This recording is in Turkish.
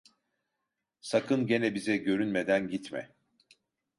Sakın gene bize görünmeden gitme…